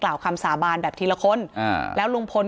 การแก้เคล็ดบางอย่างแค่นั้นเอง